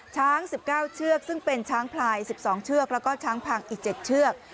ช้าง๑๙เชือกซึ่งเป็นช้างพลาย๑๒เชือกแล้วก็ช้างพังอีก๗เชือก